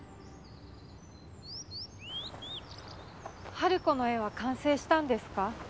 春子の絵は完成したんですか？